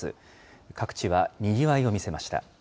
各地はにぎわいを見せました。